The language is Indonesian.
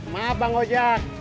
maaf bang gojak